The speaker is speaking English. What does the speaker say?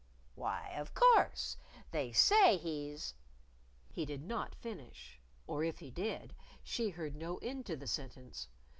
"Why, of course. They say he's " He did not finish; or if he did she heard no end to the sentence.